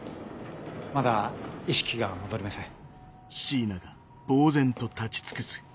まだ意識が戻りません。